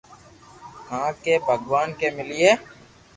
ھي ڪي ڀگوان ڪي ملئي